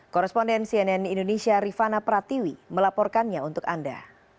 koresponden cnn indonesia rifana pratiwi melaporkannya untuk anda